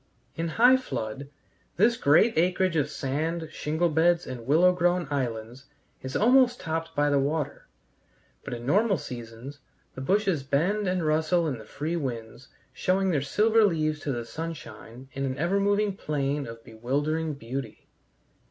In high flood this great acreage of sand, shingle beds, and willow grown islands is almost topped by the water, but in normal seasons the bushes bend and rustle in the free winds, showing their silver leaves to the sunshine in an ever moving plain of bewildering beauty.